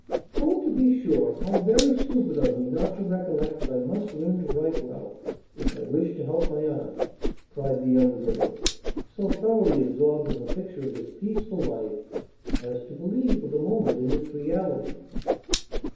"Oh, to be sure! How very stupid of me not to recollect that I must learn to write well, if I wished to help my aunt!" cried the young girl, so thoroughly absorbed in the picture of this peaceful life as to believe for the moment in its reality.